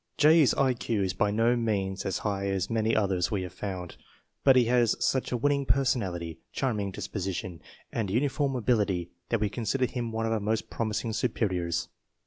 J.'s I Q is by no means as high as many others we have found, but he has such a winning personality, charming disposition, and uniform ability that we consider Trim one of our most promising superiors.